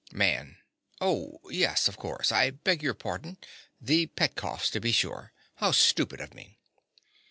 MAN. Oh, yes, of course. I beg your pardon. The Petkoffs, to be sure. How stupid of me!